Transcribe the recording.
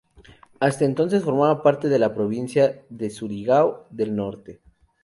Hasta entonces formaba parte de la provincia de Surigao del Norte.